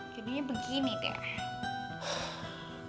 judulnya begini deh